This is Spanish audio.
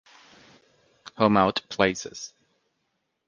Home Out Places.